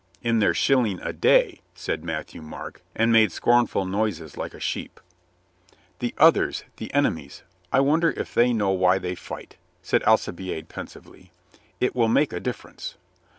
"In their shilling a day," said Matthieu Marc, and made scornful noises like a sheep. "The others, the enemies, I wonder if they know why they fight," said Alcibiade pensively. "It will INGEMINATING PEACE 149 make a difference."